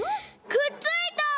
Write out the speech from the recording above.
くっついた！